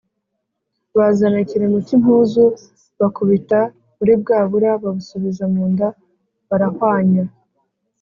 Bazana ikiremo cy'impuzu, bakubita muri bwa bura babusubiza mu nda barahwanya